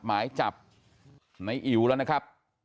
หมายจับในอิ๋วแล้วนะครับ